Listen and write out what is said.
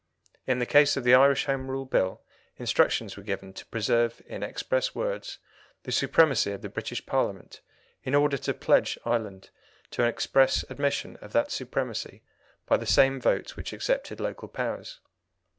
In the case of the Irish Home Rule Bill instructions were given to preserve in express words the supremacy of the British Parliament in order to pledge Ireland to an express admission of that supremacy by the same vote which accepted Local powers.